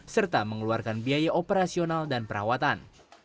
serta mengeluarkan biaya operasional dan perawatan